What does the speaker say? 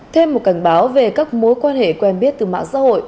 thêm một cảnh báo về các mối quan hệ quen biết từ mạng xã hội